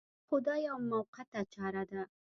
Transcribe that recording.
خو دا یوه موقته چاره وه.